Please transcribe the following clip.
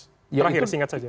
terakhir singkat saja